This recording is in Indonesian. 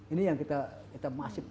ini yang kita masuk